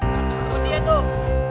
tunggu tunggu dia tuh